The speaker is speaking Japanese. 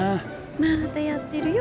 またやってるよ